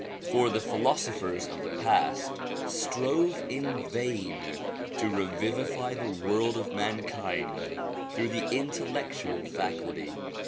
For the philosophers of the past strove in vain to revivify the world of mankind through the intellectual faculty.